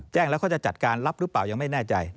แจ้งแล้วเขาจะจัดการรับหรือเปล่ายังไม่แน่ใจ